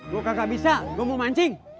gua gak bisa gua mau mancing